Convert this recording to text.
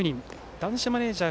男子マネージャー